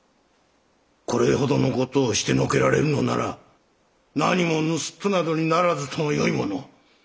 これほどの事をしてのけられるのなら何も盗人などにならずともよいものを。